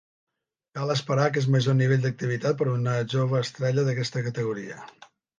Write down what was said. Cal esperar aquest major nivell d'activitat per a una jove estrella d'aquesta categoria.